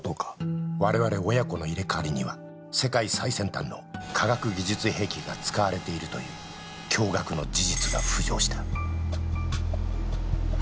我々親子の入れ替わりには世界最先端の科学技術兵器が使われているという驚愕の事実が浮上した